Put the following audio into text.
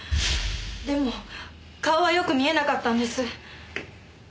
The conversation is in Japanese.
でも顔はよく見えなかったんです。